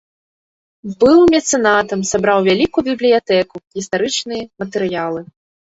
Быў мецэнатам, сабраў вялікую бібліятэку, гістарычныя матэрыялы.